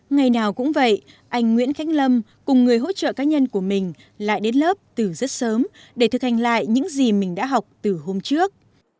ngày nào cũng vậy anh nguyễn khánh lâm cùng người hỗ trợ cá nhân của mình lại đến lớp từ rất sớm để thực hành lại những gì mình đã học từ hôm trước